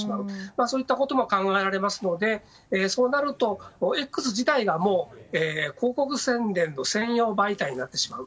そういったことも考えられますので、そうなるとＸ自体が広告宣伝の専用媒体になってしまう。